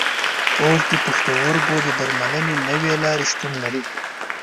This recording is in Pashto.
اوس د پښتورګو د درملنې نوې لارې شتون لري.